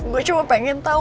gue cuma pengen tahu